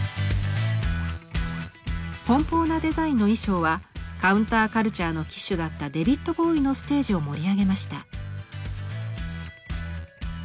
奔放なデザインの衣装はカウンター・カルチャーの旗手だったデヴィッド・ボウイのステージを盛り上げました。